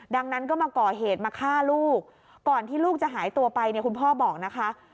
ดังนั้นก็มาก่อเหตุมาฆ่าลูกก่อนที่ลูกจะหายตัวไปเนี่ยคุณพ่อบอกนะคะ